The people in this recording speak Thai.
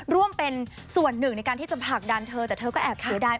ร่วมเป็นส่วนหนึ่งในการที่จะผลักดันเธอแต่เธอก็แอบเสียดาย